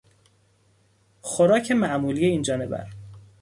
خوراک معمولی این جانور